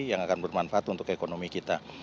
yang akan bermanfaat untuk ekonomi kita